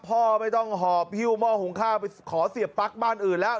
พ่อไม่ต้องหอบหิ้วหม้อหุงข้าวไปขอเสียบปลั๊กบ้านอื่นแล้ว